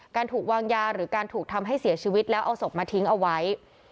ถูกวางยาหรือการถูกทำให้เสียชีวิตแล้วเอาศพมาทิ้งเอาไว้